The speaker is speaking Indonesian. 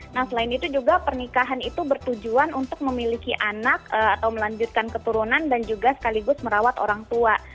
nah selain itu juga pernikahan itu bertujuan untuk memiliki anak atau melanjutkan keturunan dan juga sekaligus merawat orang tua